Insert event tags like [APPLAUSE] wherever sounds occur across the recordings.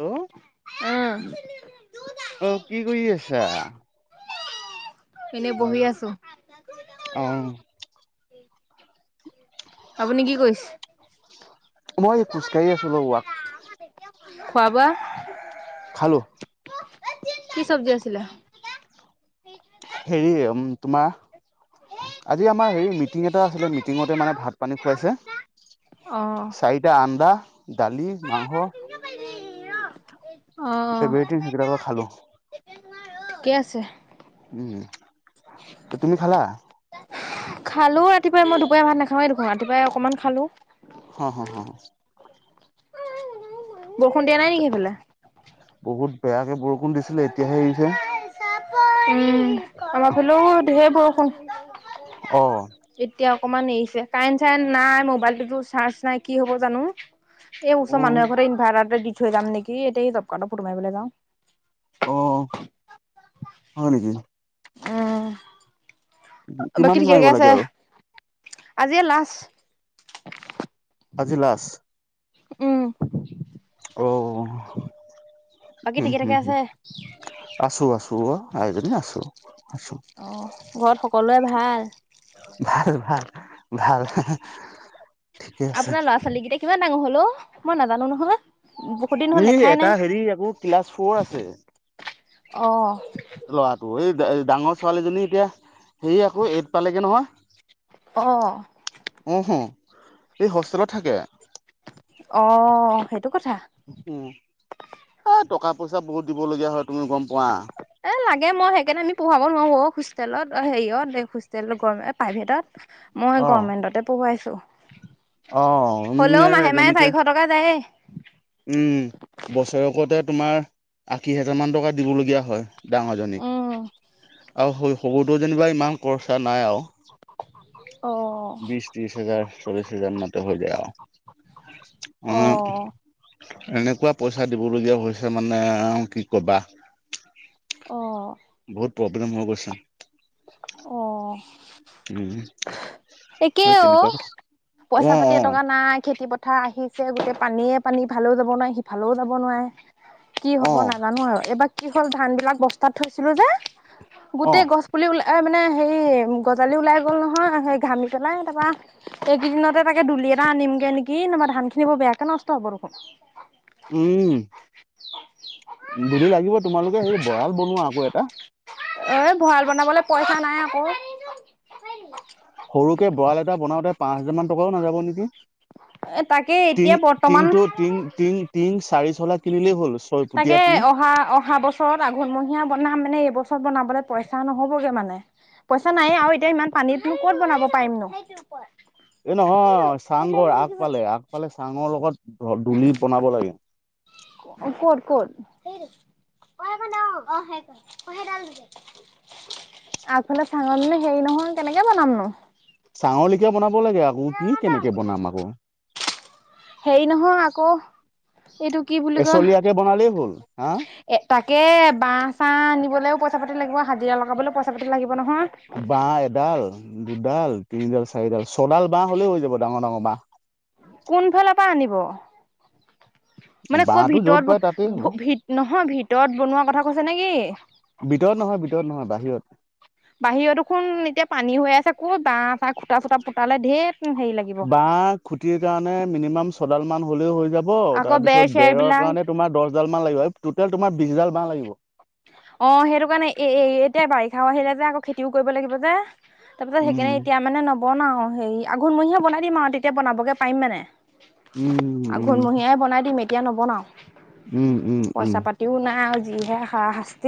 Hello অ' অ', কি কৰি আছা এনেই বহি আছো অ' আপুনি কি কৰিছে? মই খোজকাঢ়ি আছো অলপ ৱাক খোৱাবোৱা খালো কি চব্জি আছিলে হেৰি উম তোমাৰ আজি আমাৰ হেৰি মিটিং এটা আছিলে মিটিঙতে মানে ভাত পানী খুৱাইছে অ', চাৰিটা আন্দা ডালি মাংস অ', এব্ৰেথিঙ হেবিলাকো খালো ঠিকে আছে উম তুমি খালা খালো ৰাতিপুৱাই মই দুপাৰীয়া ভাত নাখাওঁৱেই দেখোন ৰাতিপুৱাই অকনমান খালো হঁ হঁ হঁ বষুণ দিয়া নাই নেকি হেফালে বহুত বেয়াকে বৰষুণ দিছিলে এতিয়াহে এৰিছে উম আমাৰ ফালেও ধেৰ বৰষুণ উম অ' অকমান এৰিছে কাৰেণ্ট চাৰেণ্ট নাই মোবাইলটোতো চাৰ্চ নাই কি হ'ব জানো এই অ ওছ মানুহ এঘৰত ইনভাতাটোতে দি থৈ যাম নেকি এই জব কাৰ্ডৰ ফটো মায়িবলে যাওঁ অ' হয় নেকি উম বাকী কিমান দিন ঠিকে থাকে মাৰিব আছে লাগে আৰু আজিয়ে লাষ্ট আজি লাছ উম অ' বাকী উম ঠিকে হুম থাকে হুম আছে। আছো আছো অ', আইজনি আছো আছো অ' ঘৰত সকলোৱে ভাল ভাল ভাল ভাল ঠিকে আছে আপোনাৰ ল'ৰা ছোৱালী কেইটা কিমান ডাঙৰ হল অ মই নাজানো নহয় বহুত দিন হ'ল ই দেখাই এটা নাই হেৰি আকৌ ক্লাছ কত আছে অ ল'ৰাটো এই ডাঙৰ ছোৱালীজনী এতিয়া হে আকৌ এইদ পালেগে অ', নহয় উম হুম এই হোষ্টেলত থাকে অ সেইটো কথা উ এ টকা পইচা বহুত দিব লগীয়া হয় তুমি গম পোৱা এ লাগে মই সেইকাৰণে আমি পঢ়াব নোৱাৰো অ হোষ্টেলত অ হেৰিয়ত এই হোষ্টেল গ প্ৰাইভেটত মই অ গমেন্টতে পঢ়ুৱাইছো অ টো উম হ'লেও মাহে মাহে এজনীকে চাৰিশ টকা যায় উম বছৰেকতে তোমাৰ আশী হাজাৰ মান টকা দিবলগীয়া হয় উম ডাঙৰজনীক আৰু সৰুতো যেনিবা ইমান খৰচা নাই আওঁ অ বিশছ ত্ৰিশ হাজাৰ চল্লিশ হাজাৰ মতে হৈ যায় আওঁ অ মান এনেকুৱা পইচা দিবলগীয়া হৈছে মানে কি কবা অ বহুত প্ৰব্লেম হৈ গৈছে অ উম একে হয় অ তেনেকুৱা অ পইচা পাতি অ এটকা নাই খেতি পথাৰ আহিছে গোটেই পানীয়ে পানী ইফালেও যাব নোৱাৰে সিফালেও যাব নোৱাৰে কি অ হব নাজানো আৰু এইবাৰ কি হ'ল ধান বিলাক বস্তাত থৈছিলো যে অ গোটেই গছ পুলি ওলা ই মানে হেই গজালি ওলাই গ'ল নহয় সেই ঘামি পেলাই তাপা এইকেইদিনতে তাকে দুলি এটা আনিমগে নেকি নোবা ধান খিনি বৰ বেয়াকে নষ্ট হ'ব দেখোন উম ধূলি লাগিব তোমালোকে সেই ভঁৰাল বনোৱা আকৌ এটা এ ভঁৰাল বনাবলৈ পইচা নাই আকৌ সৰুকে ভৰাঁল এটা বনাওতে পাঁচ হাজাৰ মান টকাও নাযাব নেকি এ তাকে টি এতিয়া টিং বৰ্তমান টোু টিং টিং টিং চাৰি চলা কিনিলেই হ'ল তাকে ছয়ফুটীয়া টিং অহা অহা বছৰত আঘলমহীয়া বনাম মানে এইবছৰত বনাব লে পইচা নহবগে মানে পইচা নাই আৰু এতিয়া ইমান পানীত ক'ত বনাব পাৰিম নো এ নহয় চাংঘৰ আগ পালে আগ পালে চাঙৰ লগত ধ দলি বনাব লাগে ক'ত ক'ত আগফালে চাঙনিলো হেৰি নহল কেনেকে বনাম ন চাঙৰল কিয় বনাম লাগে আকৌ কি কেনেকে বনাম আকৌ সেই নহয় আকৌ এইটো কি বুলি কয় এচলীয়াকে বনালেই হ'ল হা এ তাকে বাঁ চাহ আনবলৈও পইচা পাতি লাগিব হাজিৰা লগাবলৈ পইচাতি লাগিব নহয়। ব এডাল দুডাল তিনিডাল চাৰিডাল ছডাল বাহ হ'লেই হৈ যাব ডাঙৰ ডাঙৰ বাহ কোনফালৰ পৰা আনিব মানে ক'ত বাঁহটো য'ত পাই ভিতৰত তাতেই হ'ব ভিত নহয় ভিতৰত বনোৱা কথা কৈছে নেকি ভিতৰত নহয় ভিতৰত নহয় বাহিৰত বাহিৰত দেখোন এতিয়া পানী হৈ আছে কত বাঁহ চাঁ খুটা চুটা পুতালে ধেৰ ব খুটিৰ কাৰণে মিনিমাম ছডাল মান হলেও হৈ যায় আকৌ তাৰ বেৰ পিছত চেৰ বেৰৰ বিলাক কাৰণে তোমাৰ দহ ডাল মান লাগিব টেল তোমাৰ বিশডাল ব লাগিব অ' সেইটো কাৰণে এ এতিয়া বাৰিষাও আহিলে যে আকৌ খেতিও কৰিব লাগিব যে তাৰপিছত সেইকাৰিনে উম এতিয়া মানে ন বনাও হেৰি আঘোণমহেও বনাই দিম আৰু তেতিয়া বনাবগে পিম মানে উম উম আঘোণমহিয়াই বনাই দিম ম এ এতিয়া নবনাওঁ উম উম উম পইচা পাতিও নাই আৰু যিহে খাঁ ত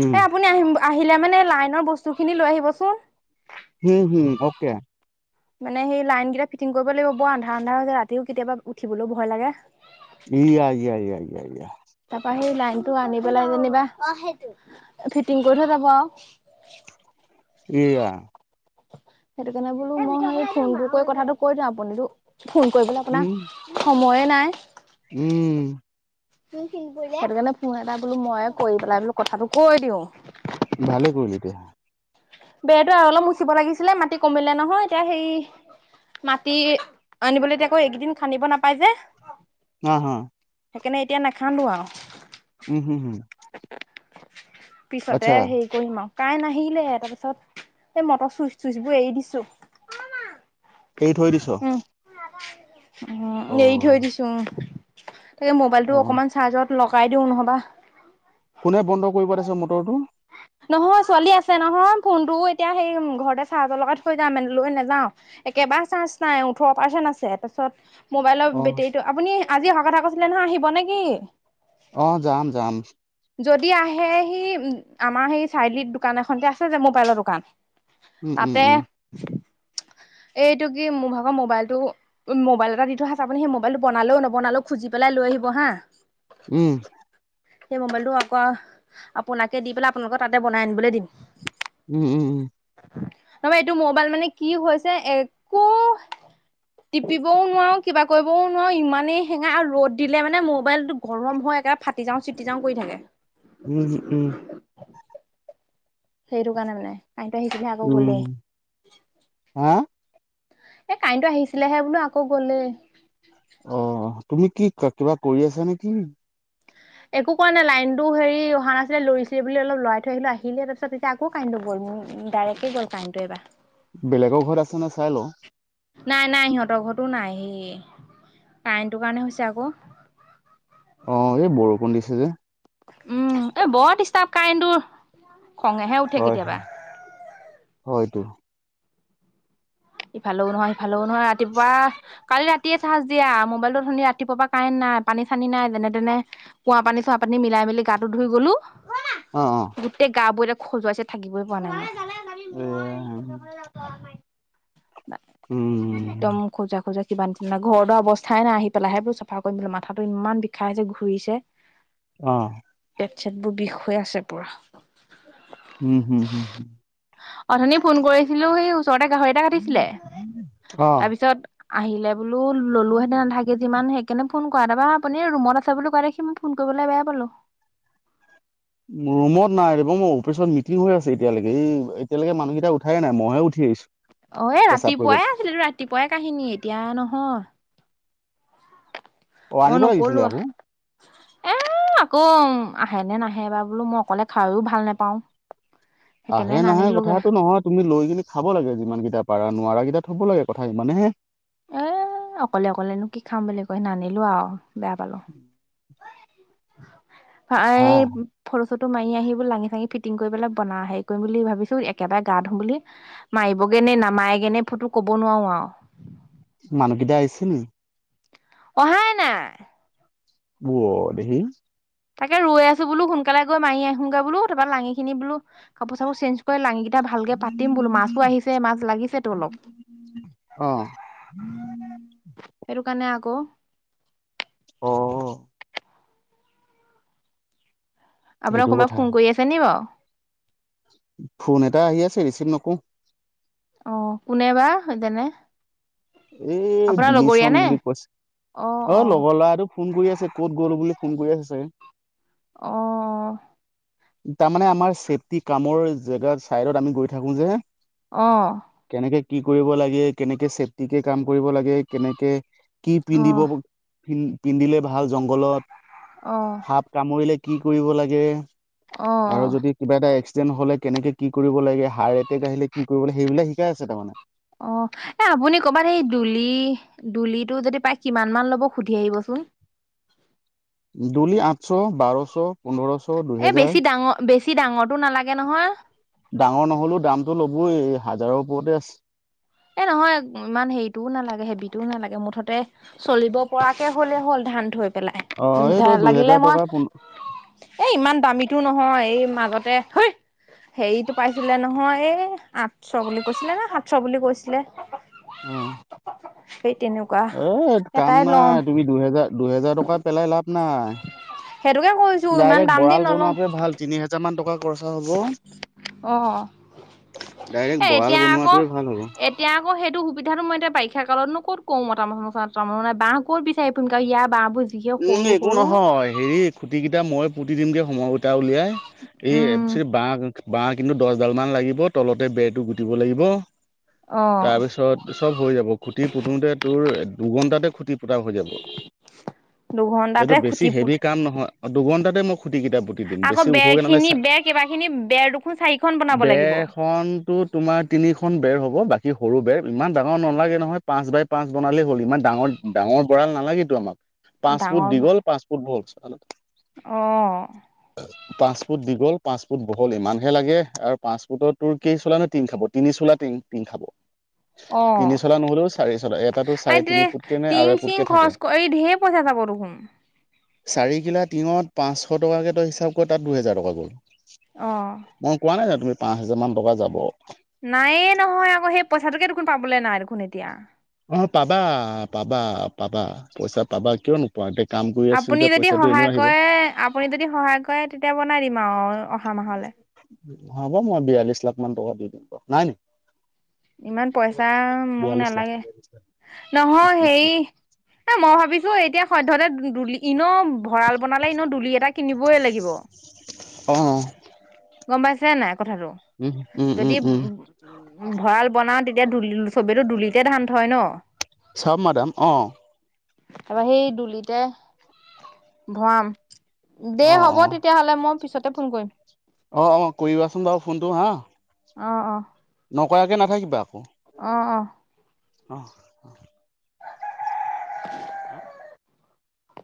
উম এ আপুনি আহিম আহিলে মানে লাইনৰ বস্তু খিনি লৈ আহিবচোন উম হম অকে মানে সেই লাইন কেইটা ফিটিং কৰিব লাগিব বৰ আন্ধা আন্ধা হৈছে ৰাতিও কেতিয়াবা উঠিবলৈও ভয় লাগে ই আ লয়া ত প আহেই লাগ আনি পেলাই যেনিবােই ফিটিং কৰি থৈ যাব আৰু এইয়া সেইটো কাৰণে বোলো মই ফোনটো কৰি কথাটো কৈ দিওঁ আপুনিতো ফোন কৰিবলে উম আপোনাৰ সময়ে নাই উম সেইটো কাৰণে ফোন এটা বোলো মই কৰি পেলাই বোলো কথাটো কৈ দিও ভালে কৰিলতে হা বেৰতটো আৰু অলপ মুচিব লাগিছিলে মাটি কমিলে নহয় এতিয়া সেই মাটি আনিবলৈতিয়া আকৌ এইকেইদিন খান্দিব নাপাই যে হা, হা সেইকাৰণে এতিয়া নাখান্দো আৰু। উম হুম হুম পিছতে আচ্ছা হেৰি কৰিম আৰু। কাৰেণ্ট নাহিলে তাৰপিছ ত, এই মটৰ চুইচ, চুইচ বোৰ এৰি দিছোঁ। এৰি থৈ দিছ? উম, অ এৰি থৈ দিছোঁ, উম। তাকে অ মোবাইলটো অকমান চাৰ্জত লগাই দিওঁ নহ'বা কোনে বন্ধ কৰিব তাছত মটৰটো? নহয়, ছোৱালী আছে নহয়, ফোনটোও এতিয়া সেই ঘৰতে চাৰ্জৰ লগাই থৈ যাম, লৈ নাযাওঁ একেবাৰে চাৰ্জ নাই ওঠৰ পাৰ্চেন আছে তাছত মোবাইলৰ অ বেটেৰীটো আপুনি আজি অহা কথা কৈছিলে নহয়, আহিব নেকি? অ', যাম, যাম। যদি আহে সি আমাৰ সেই চাৰিআলিত দোকান এখন যে, আছে যে, মোবাইলৰ দোকান উম উম তাতে উম এইটো কি মোৰ ভাগৰ মোবাইলটো মোবাইল এটা দি থোৱা আছে আপুনি সেই মবাইলটো বনালেও নবনালেও খুজি পেলাই লৈ আহিব হা উ সেই মোবাইলটো আকৌ আপোনাকে দি পেলাই আপোনালোকৰ তাতে বনাই আনিবলৈ দিম উ উ উ নহব এইটো মোবাইল মানে কি হৈছে একো টিপিবও নোৱাৰো কিবা কৰিবও নোৱাৰো ইমানেই হেঙাই আৰু ৰ'দ দিলে মানে মোবাইলটো গৰম হয় একেবাৰে ফা ফাতি যাওঁ চিতি যাওঁ কৰি থাকে উহ উ সেইটো কাৰণে মানে কাইনতো আহিছিলেহে আকৌ উম গ'লে হা এ কাইনটো আহিছিলেহে বোলো আকৌ গলে অ তুমি কি কিবা কৰি আছা নেকি একো কৰা নাই লাইনতটো হেৰি অহা নাছিলে লৰিছিলে বুলে অলপ লৰাই থৈ আহিলো আহিলে তাৰিছত পিছে আকৌ কাইনটো গ'ল ডাইৰেক্ট গ'ল কাইনটো এইবাৰ বেলেগৰ ঘৰত আছে নে নাই চাই লওঁ নাই নাই সিহঁতৰ ঘৰতো নাই সি কাৰেণ্টটোৰ কাৰণে হৈছে আকৌ, অ এই বৰষুণ দিছে যে, উম এ বৰ ডিষ্টাৰ্ব কাৰেণ্ট তুৰ খঙেহে উঠে হয় হয় কেতিয়াবা, হয়তো ইফালেও নহয় ভাল নহয় ৰাতিপুৱা কালি ৰাতি ৰাতিয়ে চাৰ্জ দিয়া মোবাইলটো ধুনে ৰাতিপুৱা কাৰেণ্ট নাই পানী চানি নাই যেনে তেনে খোৱা পানী চুৱা পানী মিলাই মেলি গাটো ধুই গলো! অ অ গোটেই গা বোৰে খজোৱাইছে থাকিবই পৰা নাই এ মই [INAUDIBLE] উম একদম খোজা খোজা কিবা নিচিনা ঘৰ দোৱা অৱস্থাই নাই আহি পেলাইহৈ বোলো চাফা কৰিম পেলো মাথাাটো ইমান বিখাইছে ঘূৰিছে। অ' চটবোৰ বিষ হৈ আছে পুৰা উম হম হম হ অথনি ফোন কৰিছিলো সেই ওচৰতে গাহৰি এটা কাটিছিলে, অ তাৰপিছত আহিলে বোলো ললো হেতে আধা কেজি মান সেইকাৰণে ফোন কৰা দাবা হা আপুনি ৰুমত আছে বুলি কৈ দেখি মই ফোন কৰিবলৈ বেয়া পালো। ৰুমত নাই দেব মোৰ অফিচত মিটিং হৈ আছে এতিয়ালৈকে এই এতিয়ালৈকে মানুহকেইটা উঠাইে নাই মইহে উঠি আহিছো। অ এ পেচাব কৰিব ৰাতিপুৱাই আছিল ৰাতিপুৱাই কাহিনী এতিয়া নহয়। অ মই আনিব লাগিছিলে নকলোৱা আকৌ এ আ কম আহে নে নাহে বা বোলো মই অকলে খাইও ভাল নোপাওঁ। আহে নাহে কথাাতটো নহয় তুমি লৈ কিনেি খাব লাগে যিমান কেইটা পাৰা নোৱাৰা, এতিাত থ'ব লাগে কথাইে মানে হে এ অকলে অকলেনো কি খাম বুলি কৈ নানিলো আৰু বেয়া পালো। কথা ফৰস্বত টো মাৰি আহি ব লাঙি চাঙি ফিটিং কৰি পেলাই বন হেৰি কৰিম বুলি ভাবিছো একেবাৰে গা ধোম বুলি মাৰিবগে নে নামায়গে নে ফটো কব নোৱাৰো আৰু মানুহকদা আহিছে ন অহাই নাই ব দেখি তাকে ৰৈ আছো বোলো সোনকালে গৈ মাৰি আহো গগৈ বোল তাৰপ পৰা লাঙিিনি বলো কাপোৰ চাপোৰ চেঞ্জ লা ভালকে পাতিম বোলো মাছো আহিছে মাছ লাগিছে অলপ। অ কাৰণে আকৌ অ আপোনাৰ সেইটো কোনোবাক কথা ফোন কৰি আছে নি বাৰু ফোন এটা আহি আছে ৰিচিভ নকো অ' কোনে বা সতেনে এ বিলি চন বুলি কৈছে অ লগৰ ল'ৰাটো ফোন কৰি আছে ক'ত গ'লো বুলি ফোন কৰি আছে অ' তাৰমানে আমাৰ চছেফটি কামৰ জেগাত চাইডত আমি গৈ থাকো যে আহ কেনেকে কি কৰিব লাগে কেনেকে চেফটিকে কাম কৰিব লাগে কেনেকে কি অ পিন্ধিবন্ পিন্ধিলে ভাল জংঘলত সাপ কামুৰিলে কি কৰিব লাগে অ আৰু অ যদি কিবা এটা হলে কেনেকে কি কৰিব লাগে হাৰ্ট এটেক আহিলে কি কৰিব লাগে সেইবিলাক শিকাই আছে তাৰমানে অ' এ আপুনি ক'বাত এইেই দুলি দুলিটো যদি প্ৰায় কিমান মান ল'ব সুধি আহিবচোন দলি আঠশ বাৰশ পোন্ধৰশ এ দুহেজাৰ বেছি ডাঙৰ বেছি ডাঙৰটো নালাগে নহয় ডাঙৰ নহলেও দামতটো ল'বই এই হাজাৰৰ ওপৰতে আছে এ নহয় ইমান হেৰিটোও নালাগে হেভিটোও নালাগে মুঠতে চলিব পৰাকে হ'লে হ'ল ধান থৈ পেলাই অ' এইটো লাগিলে দুইহেজাৰ মই টকা পোন্ এ ইমান দামীটো নহয় এই মাজতে হ হেৰিতটো পাইছিলে নহয় এই আঠশ বুলি কৈছিলে ন সাতশ বুলি কৈছিল ন আহ এ কাম এটাই ল'ম নাই তুমি দুহেজাৰ দুহেজাৰ টকাৰ পেলাই লাভ নাই। সেইটোকে কৈছো ইমান ডাইৰেক্ট দাম দ বৰাল নলওঁ বনোৱাটোৱে ভাল তিনি হেজাৰ মান টকা খৰচা হ'ব। অ' ডাইৰেক্ট এ বৰাল এতিয়া আকৌ বনোৱাটোৱে ভাল হ'ব। এতিয়া আকৌ সেইটো সুবিধাটো মই এতিয়া বাৰিষা কালতনো ক'ত কো মতা মানহ তে বাহ কত বিচাৰে পুমাও ইয়া বুজ য সৰু এক সৰু নহয় হেৰি খুটি এতিয়া মই পুতি দিমগে সময় উোটা উলিয়াই এই উম ব বাহহ কিন্তু দহডাল মান লাগিব তলতে বেৰটো গুটিব লাগিব অ তাৰপিছত চব হৈ যাব খুঁটি পুতোতে তোৰ দুঘন্টাতে খুটি পোতা হৈ যাব এইটো দুঘন্টাতে বেছি খুটি পুত হেভি কাম নহয় দুঘণ্টাতে তাতে মো খুটি কেইটা পুতি দিম আকৌ বেছি বেৰ ওখকে নাই খিনি চাই বেৰ কেইবা খিনি বেৰ দুখোন চাৰিখন বনাব লাগিব বেৰখনতো তোমাৰ তিনিখন বেৰ হব বাকী সৰু বেৰ ইমান ডাঙৰ নালাগে নহয় পাঁচ বাই পাঁচ বনালেই হ'ল ইমান ডাঙৰ ডাঙৰ গঁৰাল নালাগেতো আমাক পাঁচ ফুট ডাঙৰ দীঘল পাঁচ ফুট বহল অ [UNINTELLIGIBLE] পাঁচ ফুট দীগল পাঁচ ফুট ফু বহল ইমানহে লাগে আৰু পাঁচফুটত তোৰ কেই চোলা নে তিং খাব তিনি চোলা তিং খাব অ' তিনি চলা নহ'লেও চাৰি চলা এটাতো চাৰে তিনি আৰুতি ফুটকে নে আঢ়ৈ টিং ফুটকে চিং থাকে খৰচ কৰি এই ঢেৰ পইচা যাব চোন উম চাৰি কিলা টিঙত পাঁচশ টকাকে তই হিচাপ কৰি তাত দুহেজাৰ টকা গ'ল অ মই কোৱা নাই জানো পাঁচ হেজাৰমান টকা যাব নায়ে নহয় আকৌ সেই পইচাটোকে দেখোন পাবলৈ নাই দেখোন এতিয়া। অ' পাবা পাবা- পাবা পইচা পাবা কিয় নো [INAUDIBLE] আপুনি যদি সহায় কৰে আপুনি যদি সহায় কৰে তেতিয়া বনাই দিম। অঁ অহা মাহলে। হব মই বিয়াল্লিশ লাখ মান টকা দি দিম। নাই নেকি? ইমান পইচা মোক নালাগে, নহয় হেৰি এ মই ভাবিছো এতিয়া হয় ধতে দুলি ইন ভঁৰাল বনালে ই ন দুলি এটা কিনিবই লাগিব অ গম পাইছ [UNINTELLIGIBLE] কথাটো, উম উম যদি উম উম [UNINTELLIGIBLE] তেতিয়া [UNINTELLIGIBLE] চবেতো দুলিতে ধান থয় ন। চাব মাদাম অ'। সেই দুলিতে ভৰাম। দে অ হ'ব তেতিয়াহ'লে মই পিছত- [UNINTELLIGIBLE] ফোন কৰিম। অ'-অ' কৰিবাচোন বাৰু ফোনটো হা। অ অ। নকৰাকে নাথাকিবা আকৌ। অ'- অ'। [INAUDIBLE] [INAUDIBLE]